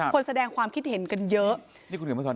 คนแสดงความคิดเห็นเยอะ